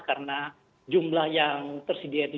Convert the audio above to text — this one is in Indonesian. karena jumlah yang tersedia itu